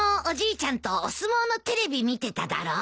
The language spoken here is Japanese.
ちゃんとお相撲のテレビ見てただろう？